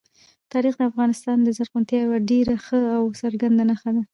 تاریخ د افغانستان د زرغونتیا یوه ډېره ښه او څرګنده نښه ده.